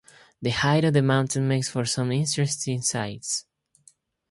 The height of the mountain makes for some interesting sights.